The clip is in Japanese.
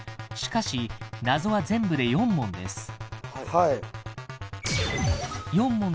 「しかし謎は全部で４問です」